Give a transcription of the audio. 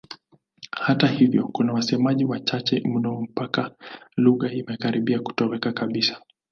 Hata hivyo kuna wasemaji wachache mno mpaka lugha imekaribia kutoweka kabisa.